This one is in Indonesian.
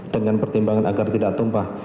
dengan pertimbangan agar tidak tumpah